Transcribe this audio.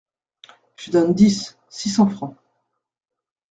Je donne dix.six cents fr.